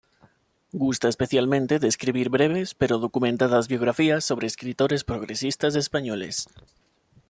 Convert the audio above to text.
Gusta especialmente de escribir breves pero documentadas biografías sobre escritores progresistas españoles.